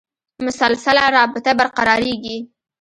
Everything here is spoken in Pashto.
مسلسله رابطه برقرارېږي.